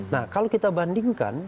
nah kalau kita bandingkan